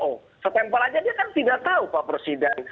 oh setempel aja dia kan tidak tahu pak presiden